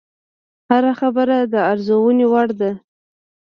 هره خبره د ارزونې وړ ده